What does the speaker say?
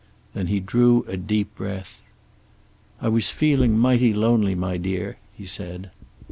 Then he drew a deep breath. "I was feeling mighty lonely, my dear," he said.